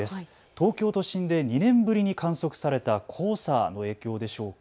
東京都心で２年ぶりに観測された黄砂の影響でしょうか。